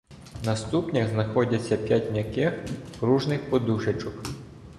На ступнях знаходиться п'ять м'яких, пружних подушечок.